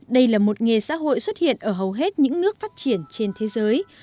đây là một nghề xã hội xuất hiện ở hầu hết những nước phát triển trên thế giới